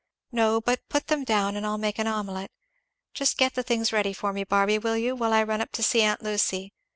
"No, but put them down and I'll make an omelette. Just get the things ready for me, Barby, will you, while I run up to see aunt Lucy.